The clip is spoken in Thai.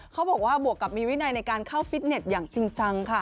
เขาบอกว่าบวกกับมีวินัยในการเข้าฟิตเน็ตอย่างจริงจังค่ะ